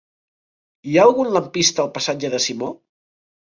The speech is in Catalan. Hi ha algun lampista al passatge de Simó?